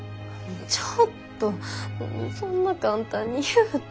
ちょっとそんな簡単に言うて。